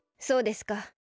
そうですか。